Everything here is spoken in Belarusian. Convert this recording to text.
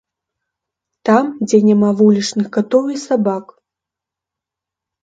Там, дзе няма вулічных катоў і сабак.